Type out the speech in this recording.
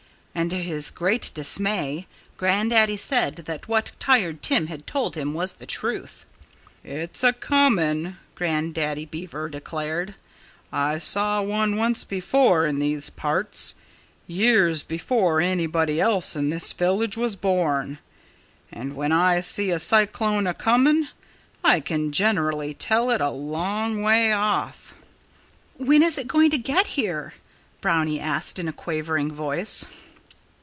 And to his great dismay, Grandaddy said that what Tired Tim had told him was the truth. "It's a coming!" Grandaddy Beaver declared. "I saw one once before in these parts, years before anybody else in this village was born. And when I see a cyclone a coming I can generally tell it a long way off." "When is it going to get here?" Brownie asked in a quavering voice.